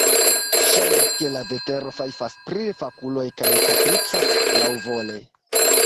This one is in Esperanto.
Ŝajnas, ke la vetero fajfas pri fakuloj kaj kapricas laŭvole.